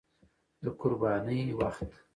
د قربانۍ وخت